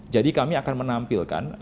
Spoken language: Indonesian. jadi kami akan menampilkan